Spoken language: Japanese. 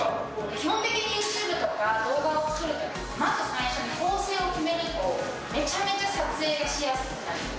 基本的にユーチューブとか動画を作るとき、まず最初に構成を決めると、めちゃめちゃ撮影がしやすくなります。